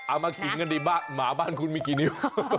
มากินกันดีบ้างหมาบ้านคุณมีกี่นิ้ว